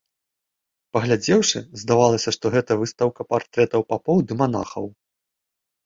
Паглядзеўшы, здавалася, што гэта выстаўка партрэтаў папоў ды манахаў.